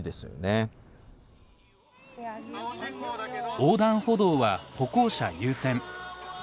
横断歩道は歩行者優先。